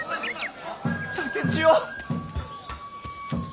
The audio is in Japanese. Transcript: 竹千代！